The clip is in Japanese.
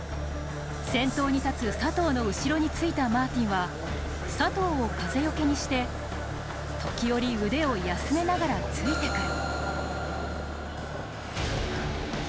先頭に立つ佐藤の後ろについたマーティンは佐藤を風よけにして、時折腕を休めながらついてくる。